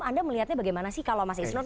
anda melihatnya bagaimana sih kalau mas isnur